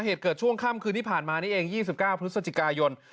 เหตุเกิดช่วงค่ำคืนที่ผ่านมานี่เอง๒๙พฤศจิกายน